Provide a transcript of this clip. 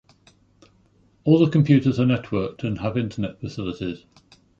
All the computers are networked and have internet facilities.